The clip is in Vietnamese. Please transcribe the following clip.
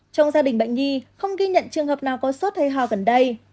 trong gia đình bệnh nhi không ghi nhận trường hợp nào có sốt hay ho gần đây